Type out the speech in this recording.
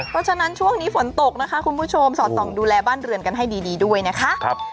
เพราะฉะนั้นช่วงนี้ฝนตกนะคะคุณผู้ชมสอดส่องดูแลบ้านเรือนกันให้ดีด้วยนะคะ